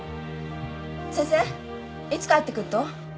先生いつ帰ってくると？